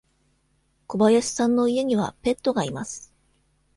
小林さんの家にはペットがいます。